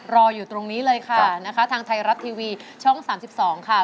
รออยู่ตรงนี้เลยค่ะนะคะทางไทยรัฐทีวีช่อง๓๒ค่ะ